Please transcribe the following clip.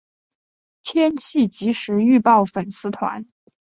天气即时预报粉丝团